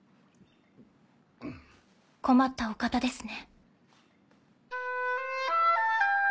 困ったお方ですね。